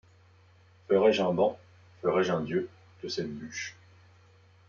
Ferai-je un banc, ferai-je un dieu, de cette bûche ?